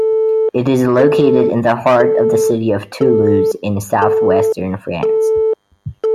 It is located in the heart of the city of Toulouse, in southwestern France.